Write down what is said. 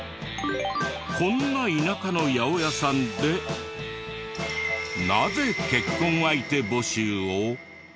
こんな田舎の八百屋さんでなぜ結婚相手募集を？